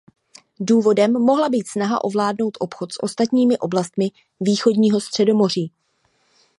Důvodem mohla být snaha ovládnout obchod s ostatními oblastmi východního Středomoří.